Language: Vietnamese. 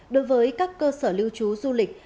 đối với các cơ sở lưu trú du lịch